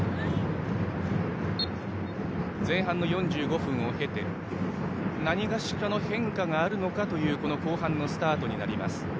前半の４５分を経て何かしらの変化があるのかというこの後半のスタートになります。